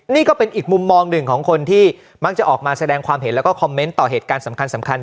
นี่ก็เป็นอีกมุมมองหนึ่งของคนที่มักจะออกมาแสดงความเห็นแล้วก็คอมเมนต์ต่อเหตุการณ์สำคัญ